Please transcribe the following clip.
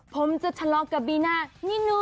๕ผมจะทะลองกับบีน่านิดนึง